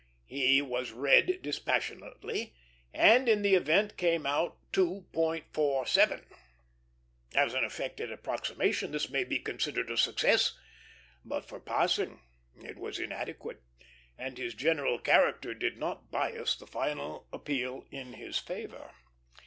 He was read dispassionately, and in the event came out 2.47. As an effort at approximation, this may be considered a success; but for passing it was inadequate, and his general character did not bias the final appeal in his favor.